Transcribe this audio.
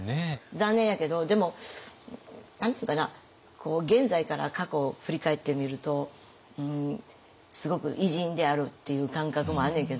残念やけどでも何て言うかな現在から過去を振り返ってみるとすごく偉人であるっていう感覚もあんねんけど。